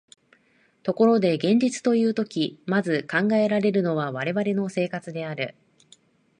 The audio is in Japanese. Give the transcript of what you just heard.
ところで現実というとき、まず考えられるのは我々の生活である。